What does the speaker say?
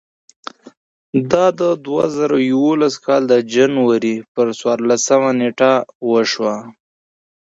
دا د دوه زره یولسم کال د جنورۍ پر څوارلسمه نېټه وشوه.